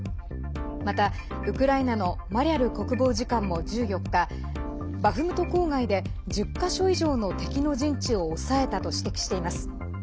また、ウクライナのマリャル国防次官も１４日バフムト郊外で１０か所以上の敵の陣地を押さえたと指摘しています。